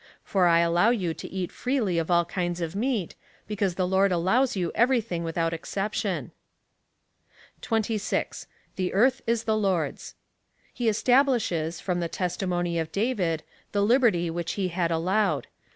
For I allow you to eat freely of all kinds of meat, because the Lord allows you every tiling without exception." 26. The earth is the Lord's. He establishes, from the testimony of David, the liberty which he had allowed.